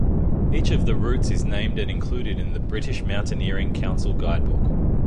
Each of the routes is named and included in the British Mountaineering Council guidebook.